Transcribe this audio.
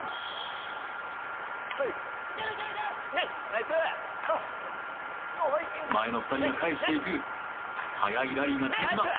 ナイス前の２人が返していく速いラリーが続きます